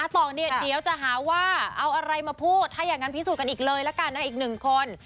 ต่อเนี่ยเดี๋ยวจะหาว่าเอาอะไรมาพูดถ้าอย่างนั้นพิสูจน์กันอีกเลยละกันนะอีกหนึ่งคน